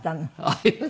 あります。